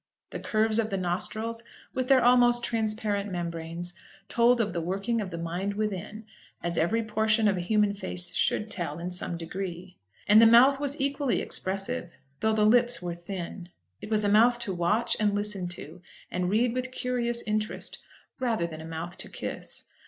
The curves of the nostrils, with their almost transparent membranes, told of the working of the mind within, as every portion of human face should tell in some degree. And the mouth was equally expressive, though the lips were thin. It was a mouth to watch, and listen to, and read with curious interest, rather than a mouth to kiss.